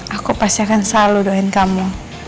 aku pasti akan selalu doain kamu